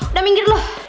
udah minggir lo